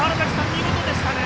見事でしたね。